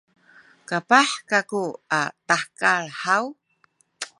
kapah kaku a tahekal haw?